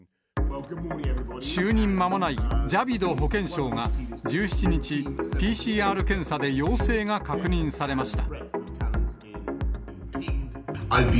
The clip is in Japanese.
就任まもないジャビド保健相が１７日、ＰＣＲ検査で陽性が確認されました。